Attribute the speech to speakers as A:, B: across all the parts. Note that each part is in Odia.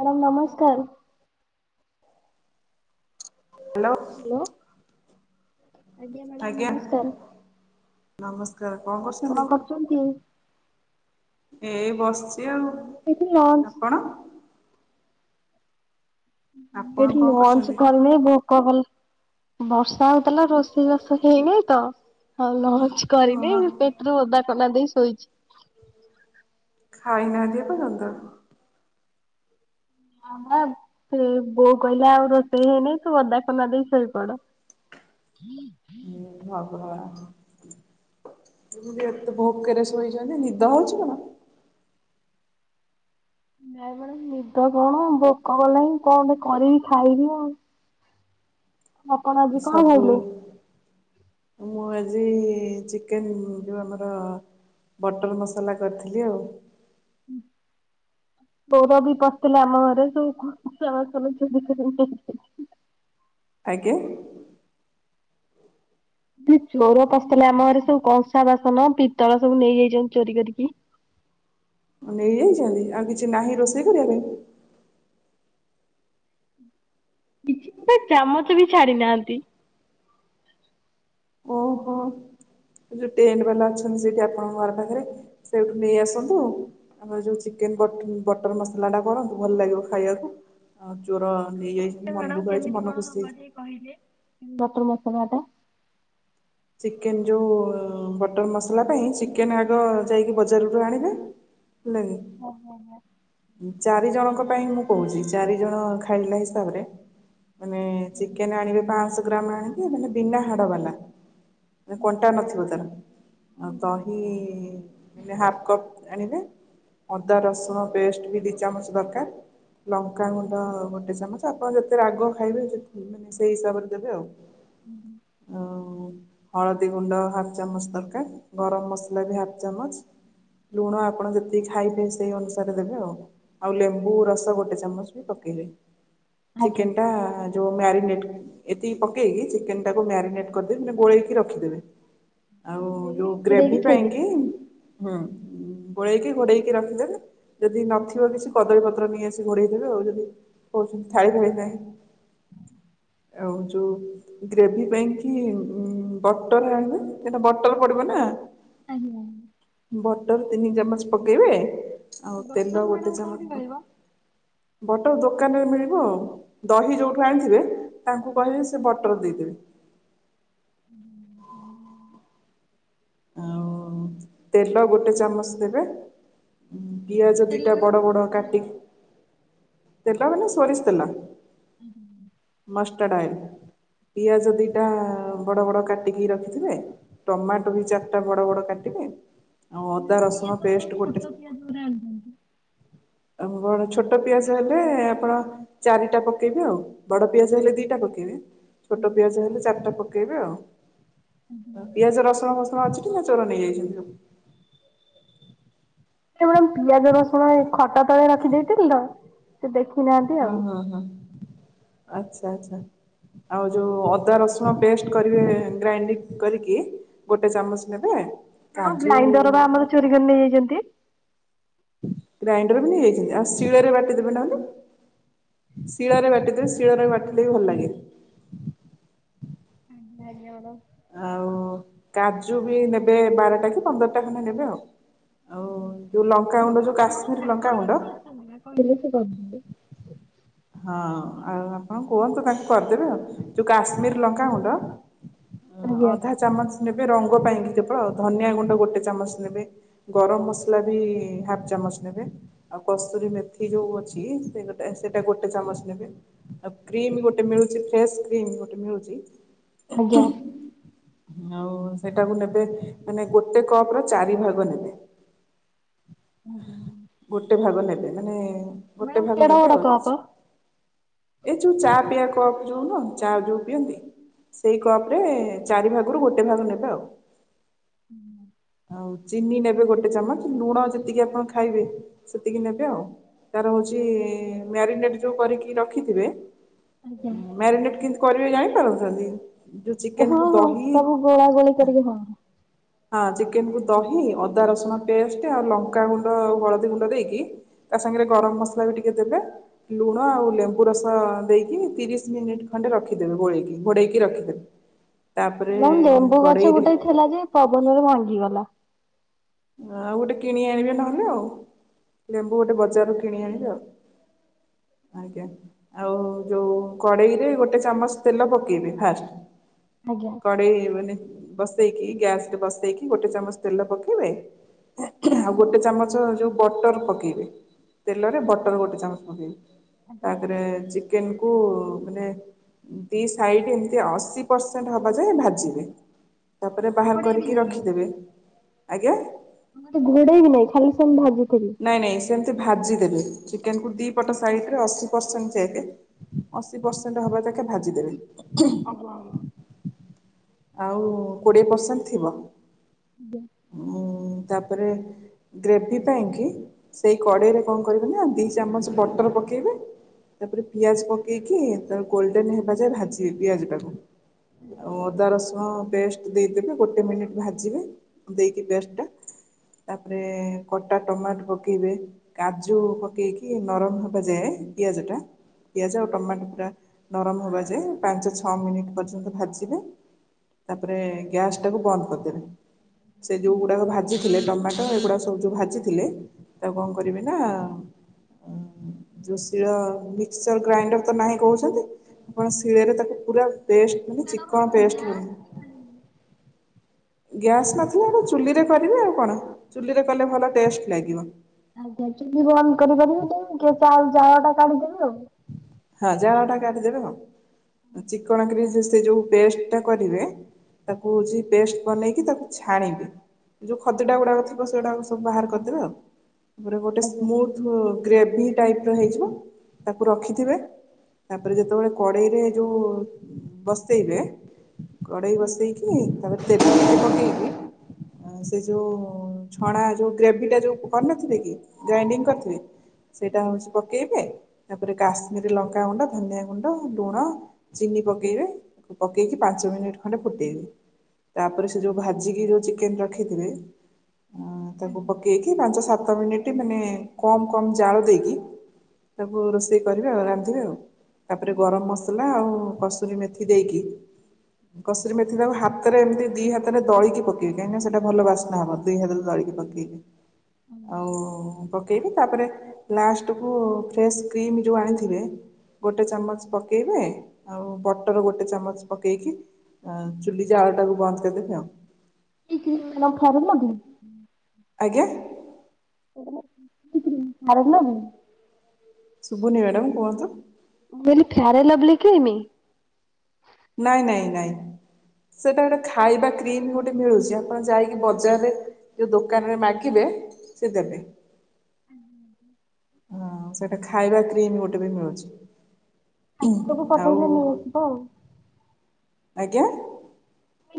A: ମ୍ୟାଡ଼ାମ ନମସ୍କାର।
B: ହାଲୋ।
A: ହାଲୋ। ଆଜ୍ଞା ମ୍ୟାଡାମ
B: ନମସ୍କାର
A: ନମସ୍କାର
B: କରୁଛନ୍ତି?
A: କଣ କରୁଛନ୍ତି?
B: ଏଇ ବସିଛି ଆଉ
A: ଏଠି ଲଞ୍ଚ
B: ଆପଣ? ଆପଣ
A: ଏଠି
B: କଣ
A: ଲନ୍ଚ
B: କରୁଛନ୍ତି?
A: କରିନେଇଁ ଭୋକକଲା। ବର୍ଷା ହଉ ତାଥିଲା ରୋଷେଇବାଷ ହେଇନିହିଁ ତ ଆଉ ଲଅଚ କରିନି
B: ଓହୋ
A: ପେଟରେ ଓଦା ସନା ଦେଇ ଶୋଇଛି।
B: ଖାଇନାହାନ୍ତି ପର୍ଯ୍ୟନ୍ତ?
A: ଆମ ବ ସେ ବୋଉ କହିଲା ଆଉ ରୋଷେଇ ହେଇନି ତୁ ଓଦା କନା ଦେଇ ଶୋଇପଡ। ହ
B: ମୁଁ ଭଗବାନ। ମୁଁ ବି ଏତେ ଭୋକରେ ଶୋଇଚନ୍ତି ନିଦ ହୋଉଚି କଣ?
A: ନାଇଁ ମ୍ୟାଡାମ ନିଦ କଣ ଭୋକ କଲାଣି କଣ ଗୋଟେ କରିକି ଖାଇବି ଆଉ। ଆପଣ ଆଜି କଣ
B: ସବୁ
A: ଖାଇଲେ?
B: ମୁଁ ଆଜି ଚିକେନ ଯୋଉ ଆମର ବଟର ମସାଲା କରିଥିଲି ଆଉ।
A: ହୁଁ। ଗୌରବି ପଶିଥିଲା ଆମ ଘରେ ସେଇ [unintelligible]
B: ଆଜ୍ଞା।
A: ଦି ଚୋର ପଶିଥିଲା ଆମ ଘରେ ସବୁ କଂସା ବାସନ ପିତ୍ତଳ ସବୁ ନେଇଯାଇଚନ୍ତି ଚୋରି କରିକି।
B: ନେଇଯାଇଚନ୍ତି ଆଉ କିଛି ନାହିଁ ରୋଷେଇ କରିବା ପାଇଁ?
A: କିଛି ଗୋଟେ ଚାମଚ ବି ଛାଡି ନାହାନ୍ତି।
B: ଏଇ ଯୋଉ ଟେଣ୍ଟ ବାଲା ଅଛନ୍ତି ସେଠି ଆପଣଙ୍କ ଘର ପାଖରେ ସେଠୁ ନେଇ ଆସନ୍ତୁ ଆମର ଯୋଉ ଚିକେନ ବଟ ବଟର ମସଲା ଟା କରନ୍ତୁ ଭଲ ଲାଗିବ ଖାଇବାକୁ ଆଉ ଚୋର ନେଇଯାଇ
A: କଣ କେମିତି କଣ ହବ ଟିକେ କହିଲେ ଏଇ ବଟର ମସଲା ଟା?
B: ଚିକେନ ଯୋଉ ବଟର ମସଲା ପାଇଁ ଚିକେନ ଆଗ ଯାଇକି ବଜାରରୁୁ ଆଣିବେ। ହେଲା କି
A: ଓ ହୋ ହୋ।
B: ଉଁ ଚାରି ଜଣଙ୍କ ପାଇଁ ମୁଁ କୋହୁଚି ଚାରି ଜଣ ଖାଇିଲା ହିସାବରେ ମାନେ ଚିକେନ ଆଣିବେ ପାଂସ ଗ୍ରାମ ଆଣିକି ମାନେ ବିନା ହାଡ଼ ବାଲା। କଣ୍ଟା ନଥିବ ତାର ଆଉ ଦହି ମାନେ ହାଫ କପ୍ ଆଣିଲେ ଅଦା ରସୁଣ ପେଷ୍ଟ ବି ଦି ଚାମଚ ଦରକାର। ଲଙ୍କାଗୁଣ୍ଡ ଗୋଟେ ଚାମଚ ଆପଣ ଯେତେ ରାଗ ଖାଇବେ ମାନେ ସେଇ ହିସାବରେ ଦେବେ ଆଉ।
A: ହୁଁ ହୁଁ।
B: ଆଉ ହଳଦୀ ଗୁଣ୍ଡ ହାଫ୍ ଚାମଚ ଦରକାର ଗରମ ମସଲା ବି ହାଫ୍ ଚାମଚ। ଲୁଣ ଆପଣ ଯେତିକି ଖାଇବେ ସେଇ ଅନୁସାରେ ଦେବେ ଆଉ, ଆଉ ଲେମ୍ବୁ ରସ ଗୋଟେ ଚାମଚ ବି ପକେଇ ବେ ଚିକେନଟା ଯୋଉ ମ୍ୟାରିନେଟ୍ ଏତିକି ପକେଇକି ଚିକେନଟାକୁ ମ୍ୟାରିନେଟ କରିଦେବେ ମାନେ ଗୋଳେଇକି ରଖିଦେବେ। ଆଉ ଯୋଉ ଗ୍ରେଭି ପାଇଁକି ହୁଁ। ଗୋଳେଇକି ଘୋଡ଼େଇକି ରଖିଦେଲେ। ଯଦି ନଥିବ କିଛି କଦଳୀ ପତ୍ର ନେଇ ଆସି ଘୋଡେଇ ଦେବେ ଆଉ ଯଦି କହୁଛନ୍ତି ଥାଳି ଫାଳି ନାହିଁ।
A: ହୁଁ
B: ଆଉ ଯୋଉ ଗ୍ରେଭି ପାଇଁ କି ଉଁ ବଟଲ ଆଣିବେ କାହିଁକି ନା ବଟଲ ପଡିବ ନା।
A: ଆଜ୍ଞା ଆଜ୍ଞା।
B: ବଟର ତିନି ଚାମଚ ପକେଇବେ ଆଉ ତେଲ ଗୋଟେ ଚାମଚ ପକ୍ ବଟର ଦୋକାନରେ ମିଳିବ ଆଉ ଦହି ଯୋଉଠୁ ଆଣିଥିବେ ତାଙ୍କୁ କହିବେ ସେ ବଟର ଦେଇଦେବେ।
A: ହୁଁହୁଁ।
B: ଆଉ ତେଲ ଗୋଟେ ଚାମଚ ଦେବେ। ପିଆଜ ଦିଟା ବଡ ବଡ କାଟିି, ତେଲ ମାନେ ସୋରିଷ ତେଲ।
A: [unintelligible]
B: [inaudible] ପିଆଜ ଦିଟାଆ-ଆ ବଡ ବଡ କାଟିକି ରଖିିଥିବେ ଟମା ଦି ଚାରିଟା ବଡ ବଡ କାଟିବେ। ଆଉ ଅଦା ରସୁଣ ପେଷ୍ଟ ଗୋଟେ। ଆଉ କଣ ଛୋଟ ପିଆଜ ହେଲେ ଆପଣ ଚାରିଟା ପକେଇବେ ଆଉ। ବଡ଼ ପିଆଜ ହେଲେ ଦିଟା ପକେଇବେ ଛୋଟ ପିଆଜ ହେଲେ ଚାରିଟା ପକେଇବେ ଆଉ। ପିଆଜ ରସୁଣ ଫସୁଣ ଅଛି ଟି ନା ଚୋର ନେଇଯାଇଛନ୍ତି?
A: [inaudible] ପିଆଜ ରସୁଣ ଖଟ ତଳେ ରଖିଦେଇଥିଲି ନା ସେ ଦେଖୁ
B: ହୁଁ-ହୁଁ-ହୁଁ ଆଚ୍ଛା ଆଚ୍ଛା। ଆଉ ଯୋଉ ଅଦା ରସୁଣ ପେଷ୍ଟ କରିବେ ଗ୍ରାଇଣ୍ଡିଙ୍ଗ କରିକି ଗୋଟେ ଚାମଚ ନେବେ।
A: [inaudible]
B: କାଜୁ
A: ଗ୍ରାଇଣ୍ଡର ବା ଆମର ଚୋରି କରି ନେଇଯାଇଛନ୍ତି।
B: ଗ୍ରାଇଣ୍ଡର ବି ନେଇଯାଇଛନ୍ତି ଆଉ ଶିଳରେ ବାଟିଦେବେ ନହେଲେ। ଶିଳରେ ବାଟିଦେବେ ଶିଳରେ ବାଟିଲେ ବି ଭଲ ଲାଗେ। ଆଉ କାଜୁ ବି ନେବେ ବାରଟା କି ପନ୍ଦରଟା ଖଣ୍ଡେ ନେବେ ଆଉ ଆଉ ଯୋଉ ଲ
A: [inaudible] ଆମର ଚାକର ବାକର ଅଛନ୍ତି ପା କହିଲେ ସେ କରିଦେବେ।
B: ହଁ ଆଉ ଆପଣ କୁହନ୍ତୁ ତାଙ୍କୁ କରିଦେବେ ଆଉ। ଯୋଉ କାଶ୍ମୀର ଲଙ୍କାଗୁଣ୍ଡ ଅଧା ଚାମଚ୍। ନେବେ ରଙ୍ଗ ପାଇଁକି କେବଳ ଧନିଆ ଗୁଣ୍ଡ ଗୋଟେ ଚାମଚ ନେବେ ଗରମ ମସଲା ବି ହାପ୍ ଚାମ୍ ମଚ୍ ନେବେ ଆଉ କସ୍ତୁରୀ ମେଥି ଯୋଉ ଅଛି ସେ ଗୋଟେ ସେ ସେଇଟା ଗୋଟେ ଚାମଚ ନେବେ ଆଉ କ୍ରିମ୍ ଗୋଟେ ମିଳୁଛି ଫ୍ରେଶ୍ କ୍ରିମ୍ ଗୋଟେ ମିଳୁଛି।
A: ଆଜ୍ଞା।
B: ଆଉ ସେଇଟାକୁ ନେବେ ମାନେ ଗୋଟେ କପ୍ ର ଚାରି ଭାଗ ନେବେ। ଗୋଟେ ଭାଗ ନେବେ ମାନେ ଗୋଟେ ଭାଗ
A: କେଡ
B: ନେବେ
A: ବଡ
B: ଆଉ।
A: କପ
B: ଏ ଯୋଉ ଚା ପିଆ କପ୍ ଯୋଉ ନୁହଁ ଚା ଯୋଉ ପିଅନ୍ତି। ସେଇ କପ୍ ରେ ଚାରି ଭାଗରୁ ଗୋଟେ ଭାଗ ନେବେ ଆଉ।
A: ହୁଁହୁଁ।
B: ଆଉ ଚିନି ନେବେ ଗୋଟେ ଚାମଚ ଲୁଣ ଯେତିକି ଆପଣ ଖାଇବେ ସେତିକି ନେବେ ଆଉ। ତାର ହଉଛିଇ-ଇ ମ୍ୟାରିନେଟ ଯୋଉ କରିକି ରଖିଥିବେ [unintelligible] କେମିତି କରିବେ ଜାଣି ପାରୁଛନ୍ତି? ଯୋଉ ଚିକେନ
A: ହଁ
B: କୁ
A: ହଁ
B: ଦହି
A: ସବୁ ଗୋଳା ଗୋଳି କରିକି ହଁ।
B: ହଁ। ଚିକେନୁ ଦହି ଅଦା ରସୁଣ ପେଷ୍ଟ ଆଉ ଲଙ୍କା ଗୁଣ୍ଡ ହଳଦୀ ଗୁଣ୍ଡ ଦେଇକି ତା ସାଙ୍ଗରେ ଗରମ ମସଲା ବି ଟିକେ ଦେବେ। ଲୁଣ ଆଉ ଲେମ୍ବୁ ରସ ଦେଇକି ତିରିଶ ମିନିଟ ଖଣ୍ଡେ ରଖିଦେବେ ଗୋଳେଇକି ଘୋଡେଇକି ରଖିଦେବେ। ତାପରେ
A: ମ ଲେମ୍ବୁ ଗଛ
B: କଡ଼େଇରେ
A: ଗୋଟେ ଥିଲା ଯେ ପବନରେ ଭାଙ୍ଗିଗଲା।
B: ଆଉ ଗୋଟେ କିଣି ଆଣିବେ ନହେଲେ ଆଉ ଲେମ୍ବୁ ଗୋଟେ ବଜାରରୁୁ କିଣି ଆଣିବେ ଆଉ
A: ହ
B: ଆଜ୍ଞା ଆଉ ଯୋଉ କଡେଇରେ ଗୋଟେ ଚାମଚ ତେଲ ପକେଇବେ ଫାଷ୍ଟ।
A: ଆଜ୍ଞା।
B: କଡେଇ ମାନେ ବସେଇକି ଗ୍ୟାସ ରେ ବସେଇକି ଗୋଟେ ଚାମଚ ତେଲ ପକେଇବେ। ଆଉ ଗୋଟେ ଚାମଚ ଯୋଉ ବଟର ପକେଇବେ। ତେଲରେ ବଟର ଗୋଟେ ଚାମଚ ମ ତାପରେ ଚିକେନ
A: [inaudible]
B: ମାନେ ଦି ସାଇଡ ଏମତି ଅଶୀ ପରସେଣ୍ଟ ହବା ଯାଏ ଭାଜିବେ। ତାପରେ ବାହାର କରିକି ରଖିଦେବେ ଆଜ୍ଞା।
A: ମତେ ଘୋଡେଇ ବି ନାଇଁ ଖାଲି ସେ ଭା
B: ନାଇଁ ନାଇଁ ସେମତି ଭାଜି ଦେବେ। ଚିକେନ କୁ ଦି ପଟ ସାଇଡ ରେ ଅଶୀ ପରସେଣ୍ଟ ଯାଇବେ ଅଶୀ ପରସେଣ୍ଟ ହବା ତାକେ ଭାଜି ଦେବେ।
A: ଓହ।
B: ଆଉ କୋଡ଼ିଏ ପରସେଣ୍ଟ ଥିବ।
A: [unintelligible]
B: ତାପରେ ଗ୍ରେଭି। ପାଇଁକି ସେଇ କଡ଼େଇରେ କଣ କରିବ ନା ଦି ଚାମଚ ବଟର ପକେଇବେ। ତାପରେ ପିଆଜ ପକେଇକି ତା ଗୋଲଡେନ ହେବା ଯାଏ ଭାଜିବେ ପିଆଜ ଟାକୁ। ଆଉ ଅଦା ରସୁଣ ପେଷ୍ଟ ଦେଇଦେବେ ଗୋଟେ ମିନିଟ ଭାଜିବେ ଦେଇକି ପେଷ୍ଟଟା। ତାପରେ କଟା ଟମାଟ ପକେଇବେ କାଜୁ ପକେଇକି ନରମ ହେବା ଯାଏ ପିଆଜ ଟା। ପିଆଜ ଆଉ ଟମାଟୋ ପୁରା ନରମ ହବା ଯାଏ ପାଞ୍ଚ ଛଅ ମିନିଟ ପର୍ଯ୍ୟନ୍ତ ଭାଜିବେ। ତାପରେ ଗ୍ୟାସ ଟାକୁ ବନ୍ଦ କରିଦେବେ। ସେ ଯୋଉ ଗୁଡାକ ଭାଜି ଥିଲେ ଟମାଟୋ ଏଗୁଡା ସବୁ ଯୋଉ ଭାଜିଥିଲେ ତାକୁ କଣ କରିବି ନା ଯୋଶିଳ ମିକ୍ସଚର ଗ୍ରାଇଣ୍ଡର ତ ନାହିଁ କହୁଛନ୍ତି। ଆଣ ଶିଳରେ ତାକୁ ପୁରା ପେଷ୍ଟ ମାନେ ଚିକଣ ପେଷ୍ଟ କ ଗ୍ୟାସ୍ ନଥିଲା ଚୁଲିରେ କରିବେ ଆଉ। କ'ଣ ଚୁଲିରେ କଲେ ଭଲ ଟେଷ୍ଟ ଲାଗିବ
A: ଆଜ୍ଞା ଚୁଲି ବନ୍ଦ କରିପାରିବି ଯ କେ ଚା ଜାଳ ଟା କାଢିଦବି ଆଉ।
B: ହଁ ଜାଳ ଟା କାଟିିଦେବେ ଚିକଣ କ୍ରି। ସେ ଯୋଉ ପେଷ୍ଟ ଟା କରିବେ ତାକୁଉଛି ପେଷ୍ଟ ବନେଇକି ତାକୁ ଛାଣିବେ। ଯେଉଁ ଖଦଟା ଗୁଡ଼ାକ ଥିବ ସେଗୁଡ଼ାକ ସବୁ ବାହାର କରିଦେବେ ଆଉ ତାପରେ ଗୋଟେ ସ୍ମୁଥ୍ ଗ୍ରେଭି ଟାଇପ୍ର ହେଇଯିବ ତାକୁ ରଖିଥିବେ। ତାପରେ ଯେତେବେଳେ କଡେଇରେ ଯୋଉ ବସେଇବେ। କଡେଇ ବସେଇକି ତାପରେ ତେଲ ପକେଇକି
A: [inaudible]
B: ସେ ଯଉ ଛଣା ଯେଉ ଗ୍ରେଭିଟା ଯେଉ କରିନଥିଲି କି ଗ୍ରାଇଣ୍ଡିଙ୍ଗ କରିଥିଲେ। ସେଇଟା ହଉଛି ପକେଇବେ ତାପରେ କାଶ ଆମରେ ଲଙ୍କାଗୁଣ୍ଡ ଧନିଆ ଗୁଣ୍ଡ ଲୁଣ ଚିନି ପକେଇବେ ପକେଇକି ପାଞ୍ଚ ମିନିଟ୍ ଖଣ୍ଡେ ତାପରେ ସେ ଯୋଉ ଭାଜିିକି ଯୋଉ ଚିକେନ ରଖିଥିଲେ। ହଁ ତାକୁ ପକେଇକି ପାଞ୍ଚ ସାତ କମ୍ୟୁନିଟୀ ମାନେ କମ୍ କମ୍ ଜାଳ୍ଳ ଦେଇକି ତାକୁ ରୋଷେଇ। ରାନ୍ଧିବେ ଆଉ ତାପରେ ଗରମ ମସଲା ଆଉ କସୁରୀ ମେଥି ଦେଇକି। କସୁରୀ ମେଥି ତାକୁ, ହାତରେ ଏମିତି ଦି ହାତରେ ଦଳକି ପକେଇବି। କାହିଁକି ନା ସେଟା ଭଲ ବାସ୍ନା ହବ। ଦି ହାତରେ ଦଳି ଟିକେ ପକେଇବି। ଆଉ ପକେଇବି। ତା'ପରେ ଲାଷ୍ଟ କୁ ଫ୍ରେଶ୍ କ୍ରିମ ଯୋଉ ଆଣିଥିବେ ଗୋଟେ ଚାମଚ ପକେଇବେ। ଆଉ, ବଟର ଗୋଟେ ଚାମଚ ପକେଇକି ଆ ଚୁଲି ଜାଳ ଟାକୁ ବନ୍ଦ କରିଦେବେ ଆଉ।
A: ଏ କ୍ରିମ୍ ମାଡାମ୍ ଫରେ ମଗେଇଥି?
B: ଆଜ୍ଞା।
A: [inaudible]
B: ସୁଭୁନି ମ୍ୟାଡ଼ାମ୍ କୁହନ୍ତୁ।
A: ବେଲି ଫ୍ୟାରେ ଲଭିଲି କିମି?
B: ନାଇଁ ନାଇଁ ନାଇଁ! ସେଟା ଗୋଟେ ଖାଇବା କ୍ରିମ୍ ଗୋଟେ ମିଳୁଛି। ଆପଣ ଯାଇକି ବଜାରରେ ଯୋଉ ଦୋକାନ ରେ ମାଗିବେ ସେ ଦେବେ।
A: [inaudible]
B: ହଁ, ସେଇଟା ଖାଇବା କ୍ରିମ୍ ବି ଗୋଟେ ବି ମିଳୁଛି।
A: ତାକୁ ଯଦି
B: ଆଉ
A: ପଠେଇଲେ, ନେଇ ଆସିବ ଆଉ।
B: ଆଜ୍ଞା?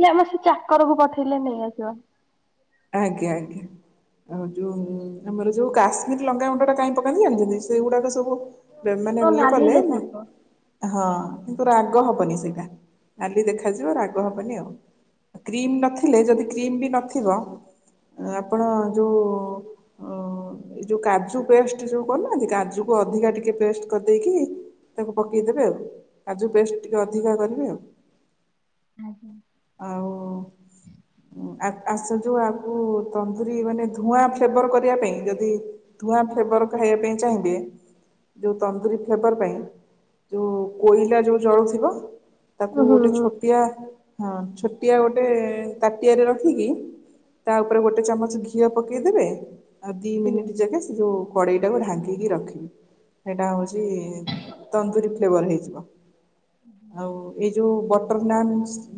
A: ଆମ ସେ ଚାକରକୁ ପଠେଇଲେ ନେଇଆସିବ।
B: ଆଜ୍ଞା ଆଜ୍ଞା। ଆଉ ଯୋଉ, ଆମର ଯୋଉ, କାଶ୍ମୀର ଲଙ୍ଗା ଗୁଣ୍ଡ ଟା କାହିଁ ପକାନ୍ତି ଜାଣିଛନ୍ତି? ସେଇଗୁଡାକ ସବୁ ମାନେ,
A: ପୁରା
B: ଇଏ
A: ନାଲି
B: କଲେ।
A: ଦେଖାଯିବ।
B: ହଁ, କିନ୍ତୁ, ରାଗ ହବନି ସେଇଟା। ନାଲି ଦେଖାଯିବ, ରାଗ ହବନି ଆଉ। କ୍ରିମ୍ ନଥିଲେ, ଯଦି କ୍ରିମ୍ ବି ନଥିବ। ଆପଣ ଯୋଉ ଏଇ ଯୋଉ, କାଜୁ ପେଷ୍ଟ ଯୋଉ କରୁନାହାଁନ୍ତି! କାଜୁକୁ ଅଧିକା ଟିକେ ପେଷ୍ଟ କରିଦେଇକି ତାକୁ ପକେଇଦବେ ଆଉ। ଆ ଯଉ ପେଷ୍ଟ ଟିକେ ଅଧିକା କରିବେ ଆଉ। ଆଉ, ଆସ ଯୋଉ ଆ ଉ ତନ୍ଦୁରୀ ମାନେ ଧୂଆଁ ଫ୍ଲେଭର କରିବା ପାଇଁ, ଯଦି ଧୂଆଁ ଫ୍ଲେଭର ଖାଇବା ପାଇଁ ଚାହିଁ ବେ ଯୋଉ ତନ୍ଦୁରୀ ଫ୍ଲେଭର ପାଇଁ, ଯୋଉ କୋଇଲା ଯୋଉ ଜଳୁଥିବ! ତାକୁ
A: ହୁଁ ହୁଁ
B: ଗୋଟେ
A: ହୁଁ।
B: ଛୋଟିଆ ହଁ, ଛୋଟିଆ ଗୋଟେ ତାଟିଆରେ ରଖିକି ତା' ଉପରେ ଗୋଟେ ଚାମଚ ଘିଅ ପକେଇଦେବେ। ଆଉ ଦୁଇ ମିନିଟ୍ ଯାକେ ସେ ଯଉ କଡେଇ ଟାକୁ ଢାଙ୍କିକି ରଖିବି। ହେଇଟା ହଉଛି ତନ୍ଦୁରୀ ଫ୍ଲେଭର୍ ହେଇଯିବ। ଆଉ ଏଇ ଯୋଉ ବଟ୍ ବଟର୍ ନାନ୍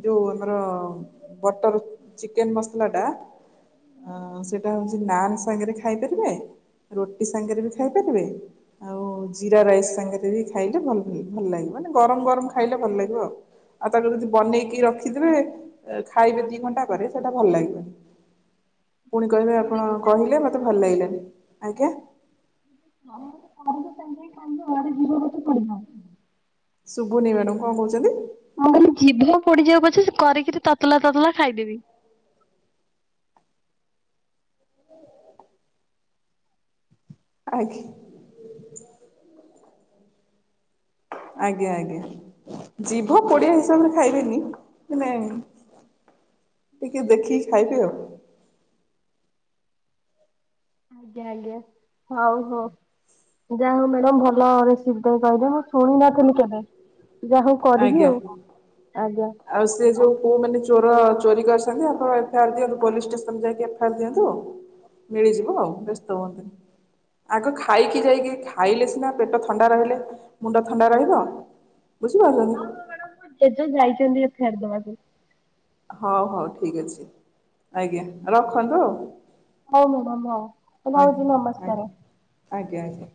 B: ଯଉ, ଆମର ବଟର୍ ଚିକେନ୍ ମସଲାଟା ଆଁ ସେଟା ହଉଛି ନାନ୍ ସାଙ୍ଗରେ ଖାଇପାରିବେ ରୁଟି ସାଙ୍ଗରେ ବି ଖାଇପାରିବେ, ଆଉ ଜିରା ରାଇସ୍ ସାଙ୍ଗରେ ବି ଖାଇଲେ ଭଲ ଭଲ ଲାଗିବ। ମାନେ, ଗରମ ଗରମ ଖାଇଲେ ଭଲ ଲାଗିବ ଆଉ। ଆଉ ତାକୁ ଯଦି ବନେଇକି ରଖିଦେବେ। ଖାଇବେ ଦି ଘଣ୍ଟା ପରେ ସେଟା ଭଲ ଲାଗିବନି। ପୁଣି କହିବେ। ଆପଣ କହିଲେ, ମତେ ଭଲ ଲାଗିଲାନି। ଆଜ୍ଞା
A: [inaudible] ପଡ଼ି
B: ସୁବୁନି ମ୍ୟାଡ଼ାମ୍। କଣ କହୁଛନ୍ତି?
A: ମୁଁ କହିଲି ଜିଭ ପୋଡିଯାଉ ପଛେ, ସେ କରିକିରି ତତଲା ତତଲା ଖାଇଦେବି।
B: ଆଖି। ଆଜ୍ଞା ଆଜ୍ଞା, ଜିଭ ପୋଡିଆ ହିସାବରେ ଖାଇବେନି! ମାନେ, ଟିକେ ଦେଖିକି ଖାଇବେ ଆଉ।
A: ଆଜ୍ଞା ଆଜ୍ଞା, ହଉ ହଉ। ଯା ହଉ ମ୍ୟାଡମ୍ ଭଲ ରେସିପି ଟେ କହିଲେ। ମୁଁ ଶୁଣି ନଥିଲି କେବେ? ଯାହୋଉ କରିବି
B: ଆଜ୍ଞା।
A: ଆଉ ଆଜ୍ଞା।
B: ଆଉ ସେ ଯୋଉ କୋଉ ମାନେ ଚୋର ଚୋରି କରିଛନ୍ତି ଆପଣ ଏଫେୟାର୍ ଦିଅନ୍ତୁ ପୋଲିସ୍ ଷ୍ଟେସନ୍ ଯାଇକି ଏଫେୟାର୍ ଦିଅନ୍ତୁ ମିଳିଯିବ ଆଉ ବ୍ୟସ୍ତ ହୁଅନ୍ତୁନି। ଆଗ ଖାଇକି ଯାଇକି ଖାଇଲେ ସିନା ପେଟ ଥଣ୍ଡା ରହିଲେ ମୁଣ୍ଡ ଥଣ୍ଡା ରହିବ। କି ରହିବନି?
A: କେତେଜଣ ଯାଇଚନ୍ତି ଏଫେୟାର୍ ଦବାକୁ?
B: ହଉ ହଉ ଠିକ ଅଛି ଆଜ୍ଞା ରଖନ୍ତୁ ଆଉ।
A: ହୋଉ ମ୍ୟାଡ଼ାମ ହୋଉ
B: ଆଜ୍ଞା
A: ରହୁଚି
B: ଆଜ୍ଞା
A: ନମସ୍କାରେ।
B: ଆଜ୍ଞା ଆଜ୍ଞା।